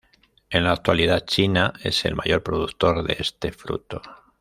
En la actualidad, China es el mayor productor de este fruto.